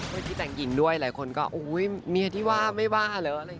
เมื่อกี้แต่งหญิงด้วยหลายคนก็โอ้โฮเมียที่ว่าไม่ว่าเหรอ